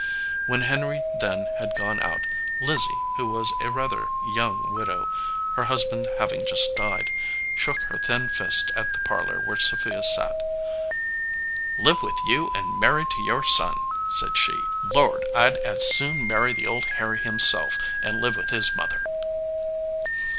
When Henry then had gone out, Lizzie, who 240 THE SOLDIER MAN was a rather young widow, her husband having just died, shook her thin fist at the parlor where Sophia sat. "Live with you and married to your son!" said she. "Lord! I d as soon marry the old Harry himself and live with his mother!"